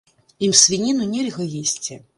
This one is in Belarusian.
Ім свініну нельга есці.